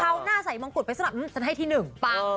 เขาหน้าใส่มงกุฎไปฉันให้ที่หนึ่ง